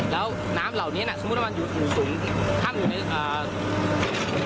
แล้วน้ำเหล่านี้น่ะสมมุติว่ามันอยู่สูงท่านอยู่ในอ่า